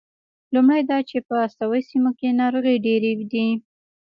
لومړی دا چې په استوایي سیمو کې ناروغۍ ډېرې دي.